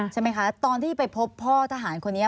ใช่ไหมคะตอนที่ไปพบพ่อทหารคนนี้